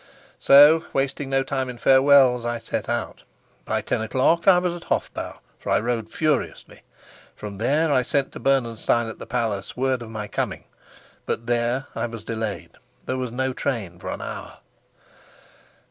So, wasting no time in farewells, I set out. By ten o'clock I was at Hofbau, for I rode furiously. From there I sent to Bernenstein at the palace word of my coming. But there I was delayed. There was no train for an hour.